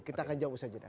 kita akan jawab usaha jeda